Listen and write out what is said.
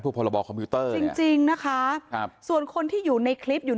ผู้พรบอคอมพิวเตอร์จริงนะคะส่วนคนที่อยู่ในคลิปอยู่